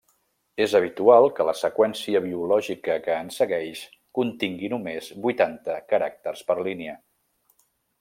És habitual que la seqüència biològica que en segueix contingui només vuitanta caràcters per línia.